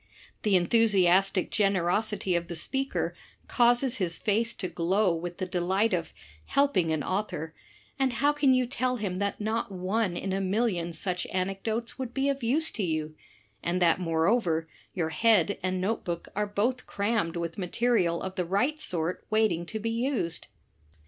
The enthusiastic DETECTIVE STORIES 5 1 generosity of the speaker causes his face to glow with the delight of "helping an author," and how can you tell him that not one in a million such anecdotes would be of use to you, and that moreover, your head and note book are both crammed with material of the right sort waiting to be used?